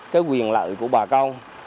cái quyền lợi của bà con